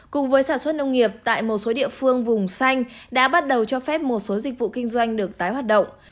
cùng với sản xuất nông nghiệp tại một số địa phương vùng xanh đã bắt đầu cho phép một số dịch vụ kinh doanh được tái hoạt động